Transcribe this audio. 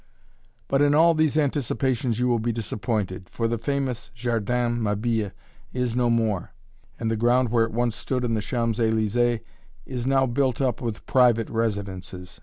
But in all these anticipations you will be disappointed, for the famous Jardin Mabille is no more, and the ground where it once stood in the Champs Elysées is now built up with private residences.